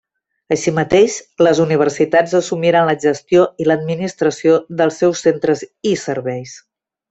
Així mateix, les universitats assumiren la gestió i l'administració dels seus centres i serveis.